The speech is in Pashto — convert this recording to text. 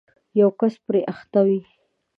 یو کس پرې اخته وي